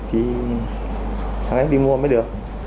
thì đi mua mới được